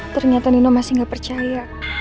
ternyata nino masih nggak percaya